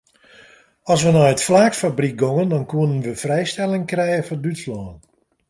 As we nei it flaaksfabryk gongen dan koenen we frijstelling krije foar Dútslân.